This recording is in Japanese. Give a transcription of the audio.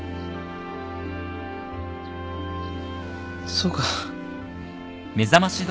そうか。